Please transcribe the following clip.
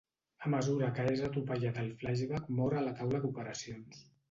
A mesura que és atropellat al flashback mor a la taula d'operacions.